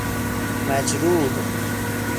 مجروح